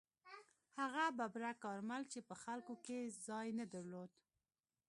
هغه ببرک کارمل چې په خلکو کې ځای نه درلود.